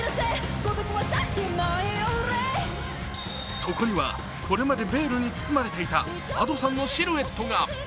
そこにはこれまでベールに包まれていたＡｄｏさんのシルエットが。